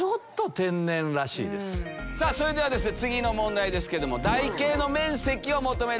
それでは次の問題ですけども。